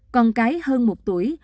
còn cái hơn một tuổi